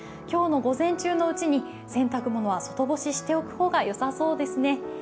今日の午前中のうちに洗濯物は外干しておくほうがよさそうですね。